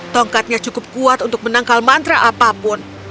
tongkatnya cukup kuat untuk menangkal mantra apapun